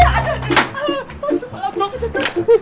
aduh malam banget